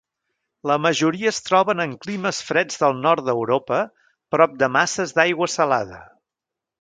La majoria es troben en climes freds del nord d'Europa prop de masses d'aigua salada.